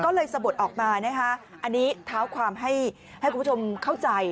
ก็เลยสะบดออกมานะคะอันนี้เท้าความให้คุณผู้ชมเข้าใจ